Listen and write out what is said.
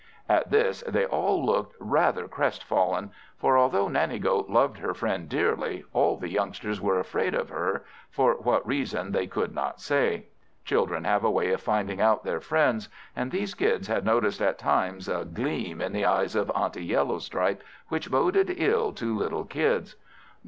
At this they all looked rather crestfallen; for although Nanny goat loved her friend dearly, all the youngsters were afraid of her, for what reason they could not say. Children have a way of finding out their friends; and these Kids had noticed at times a gleam in the eyes of Auntie Yellowstripe, which boded ill to little Kids.